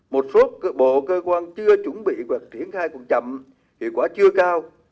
một số bộ cơ quan chưa chuẩn bị hoặc triển khai còn chậm hiệu quả chưa cao